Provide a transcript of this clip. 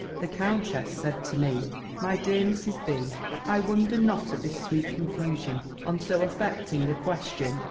The countess said to me, "My dear Mrs. B., I wonder not at this sweet confusion on so affecting a question!